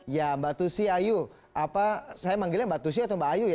ya mbak tusi ayu saya manggilnya mbak tusi atau mbak ayu ya